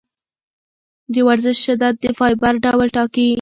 د ورزش شدت د فایبر ډول ټاکي.